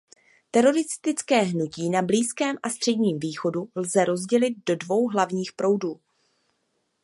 Teroristické hnutí na Blízkém a Středním východu lze rozdělit do dvou hlavních proudů.